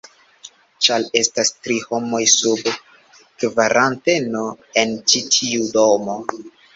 ĉar estas tri homoj sub kvaranteno en ĉi tiu domo